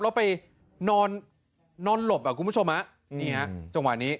แล้วไปนอนนอนหลบอ่ะคุณผู้ชมฮะนี่ฮะจังหวะนี้